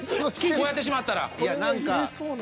こうやってしまったら。